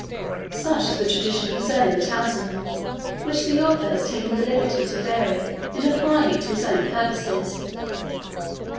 Such is the tradition concerning the talisman, which the author has taken the liberty to vary in applying it to his own purposes.